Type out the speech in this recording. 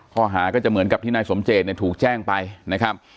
ข้อหาก็จะเหมือนกับที่นายสมเจตเนี่ยถูกแจ้งไปนะครับ